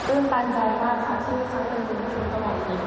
อื่นปัญญามากครับที่รู้สึกเป็นวินาทีตลอดดี